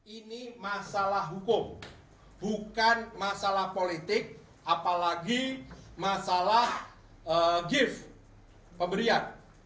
ini masalah hukum bukan masalah politik apalagi masalah gift pemberian